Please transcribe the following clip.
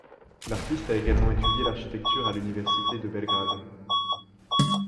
L'artiste a également étudié l'architecture à l'université de Belgrade.